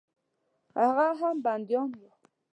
هغه هم بندیان وه.